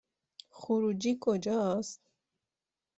خروجی کجاست؟